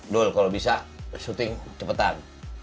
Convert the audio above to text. dul kalau bisa syuting cepetan